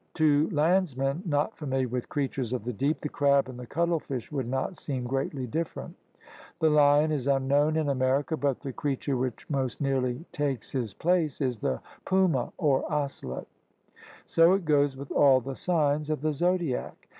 To landsmen not familiar with creatures of the deep, the crab and the cuttlefish would not seem greatly different. The lion is unknown in America, but the creature which most nearly takes 34 THE RED MAN'S CONTINENT his place is the puma or ocelot. So it goes with all the signs of the zodiac.